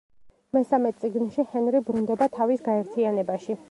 მესამე წიგნში, ჰენრი ბრუნდება თავის გაერთიანებაში.